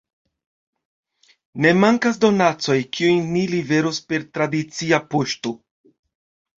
Ne mankas donacoj, kiujn ni liveros per tradicia poŝto.